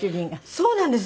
そうなんです。